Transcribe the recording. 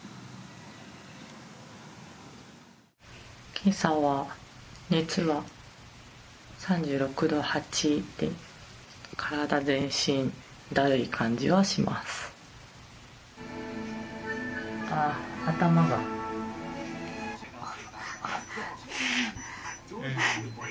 今朝は熱は３６度８で体全身だるい感じはします。